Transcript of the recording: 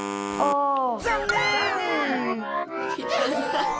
残念！